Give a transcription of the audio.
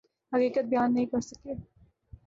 حقیقت بیان نہ کر سکے۔